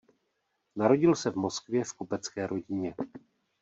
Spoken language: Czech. Narodil se v Moskvě v kupecké rodině.